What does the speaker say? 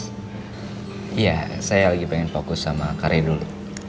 iya saya lagi pengen fokus sama karya dulu